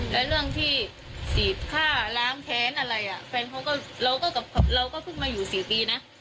และเรื่องที่สีบฆ่าล้างแท้นอะไรเราก็เพิ่งมาอยู่สี่ปีนะ